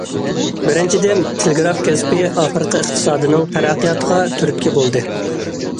بىرىنچىدىن، تېلېگراف كەسپى ئافرىقا ئىقتىسادىنىڭ تەرەققىياتىغا تۈرتكە بولدى.